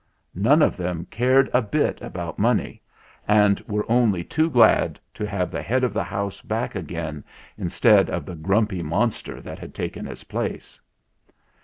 None of them cared a bit about money, and were only too glad to have the head THE RECOVERY OF MR. JAGO 177 of the house back again instead of the grumpy monster that had taken his place.